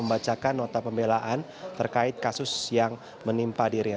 membacakan nota pembelaan terkait kasus yang menimpa dirinya